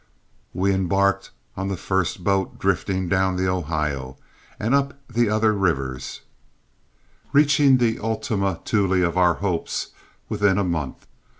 We embarked on the first boat, drifting down the Ohio, and up the other rivers, reaching the Ultima Thule of our hopes within a month.